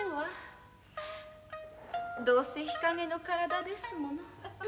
どうせ日陰の体ですもの。